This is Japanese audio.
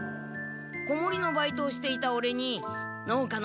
子守のバイトをしていたオレに農家のみなさんが。